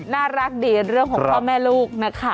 น่ารักดีเรื่องของพ่อแม่ลูกนะคะ